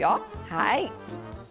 はい。